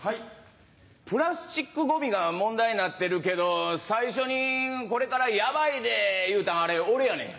プラスチックゴミが問題になってるけど最初にこれからヤバいで言うたんアレオレやねん。